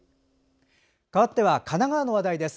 かわっては神奈川の話題です。